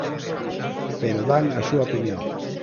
Pero dan a súa opinión.